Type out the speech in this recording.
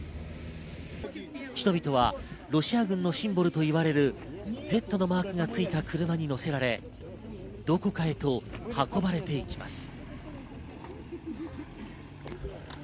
人々はロシア軍のシンボルといわれる「Ｚ」のマークがついた車に乗せられ、どこかへと運ばれていきます。